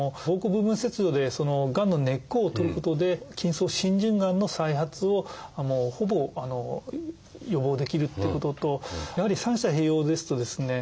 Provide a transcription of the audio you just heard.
膀胱部分切除でそのがんの根っこを取ることで筋層浸潤がんの再発をほぼ予防できるっていうこととやはり三者併用ですとですね